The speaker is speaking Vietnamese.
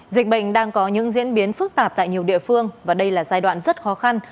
dịch bệnh đang có những diễn biến phức tạp tại nhiều địa phương và đây là giai đoạn rất khó khăn